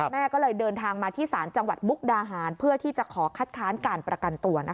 แม่ก็เลยเดินทางมาที่ศาลจังหวัดมุกดาหารเพื่อที่จะขอคัดค้านการประกันตัวนะคะ